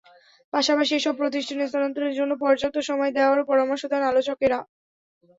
পাশাপাশি এসব প্রতিষ্ঠান স্থানান্তরের জন্য পর্যাপ্ত সময় দেওয়ারও পরামর্শ দেন আলোচকেরা।